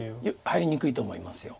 入りにくいと思います。